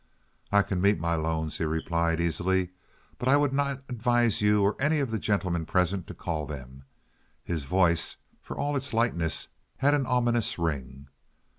"I can meet my loans," he replied, easily. "But I would not advise you or any of the gentlemen present to call them." His voice, for all its lightness, had an ominous ring.